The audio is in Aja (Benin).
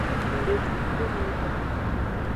Ngdekuku miva.